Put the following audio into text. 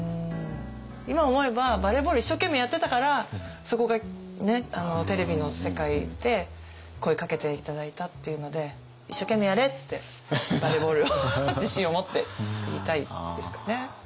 今思えばバレーボール一生懸命やってたからそこがねテレビの世界で声かけて頂いたっていうので「一生懸命やれ！」って「バレーボールを自信を持って」って言いたいですかね。